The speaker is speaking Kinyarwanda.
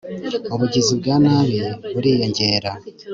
Ubugizi bwa nabi buriyongera